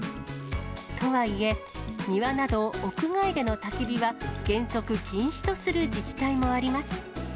とはいえ、庭など屋外でのたき火は、原則禁止とする自治体もあります。